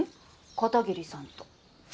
片桐さんと。